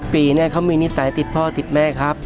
ปีเนี่ยเขามีนิสัยติดพ่อติดแม่ครับ